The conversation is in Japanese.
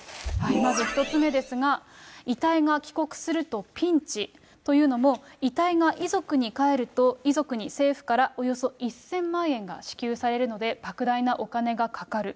まず１つ目ですが、遺体が帰国するとピンチ、というのも、遺体が遺族に返ると、遺族に政府からおよそ１０００万円が支給されるので、ばく大なお金がかかる。